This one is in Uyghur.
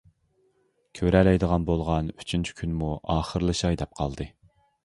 كۆرەلەيدىغان بولغان ئۈچىنچى كۈنمۇ ئاخىرلىشاي دەپ قالدى.